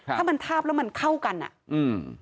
ถ้ามันทาบแล้วมันเข้ากันอ่ะอืม